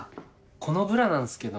このブラなんすけど。